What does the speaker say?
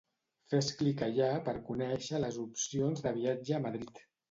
Fes clic allà per conèixer les opcions de viatge a Madrid.